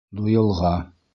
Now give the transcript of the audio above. Дуэлға!